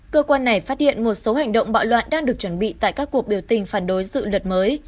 cơ quan này phát hiện một số hành động bạo loạn đang được chuẩn bị tại các cuộc biểu tình phản đối dự luật mới